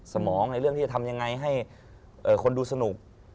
สมองในเรื่องที่จะทำยังไงให้คนดูสนุก